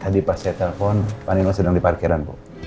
tadi pas saya telepon pak nino sedang di parkiran bu